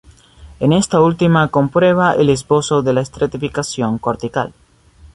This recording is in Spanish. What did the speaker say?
En esta última, comprueba el esbozo de la estratificación cortical.